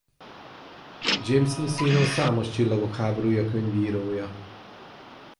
James Luceno számos Csillagok háborúja könyv írója.